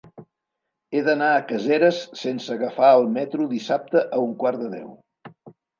He d'anar a Caseres sense agafar el metro dissabte a un quart de deu.